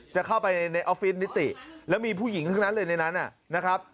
จะเข้าไปในออฟฟิศนิติแล้วมีผู้หญิงทั้งนั้นเลยในนั้นนะครับ